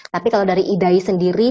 tapi kalau dari idai sendiri